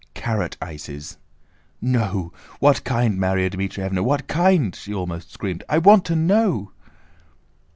"Carrot ices." "No! What kind, Márya Dmítrievna? What kind?" she almost screamed; "I want to know!"